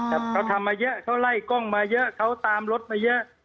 แต่เขาทำมาเยอะเขาไล่กล้องมาเยอะเขาตามรถมาเยอะ